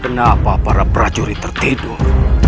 kenapa para prajuri tertidur